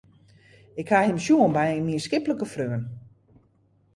Ik ha him sjoen by in mienskiplike freon.